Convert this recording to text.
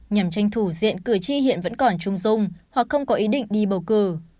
nhằm tranh thủ diện cử tri hiện vẫn còn trung dung hoặc không có ý định đi bầu cử